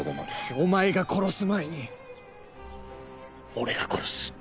お前が殺す前に俺が殺す。